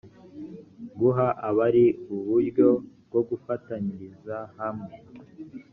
guha abari uburyo bwo gufatanyiriza hamwe